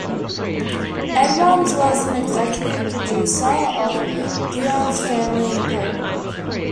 Edmonds was an executive producer of "Deion's Family Playbook".